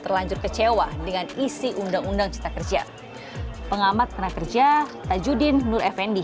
terlanjur kecewa dengan isi undang undang cita kerja pengamat tenaga kerja tajuddin nur efendi